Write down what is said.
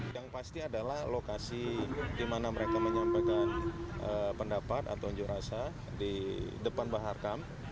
yang pasti adalah lokasi di mana mereka menyampaikan pendapat atau unjuk rasa di depan bahar kam